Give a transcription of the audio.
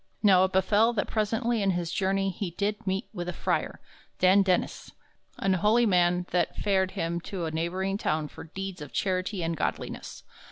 Now it befell that presently in his journey he did meet with a frere, Dan Dennyss, an holy man that fared him to a neighboring town for deeds of charity and godliness.